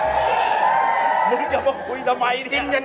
อย่ามาคุยทำไม